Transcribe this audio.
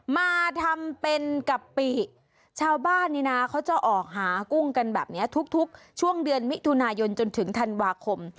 มาทำเป็นกะปิชาวบ้านนี่นะเขาจะออกหากุ้งกันแบบนี้ทุกช่วงเดือนมิถุนายนจนถึงธันวาคม